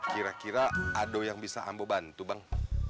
kira kira ada yang bisa ambo bantu bang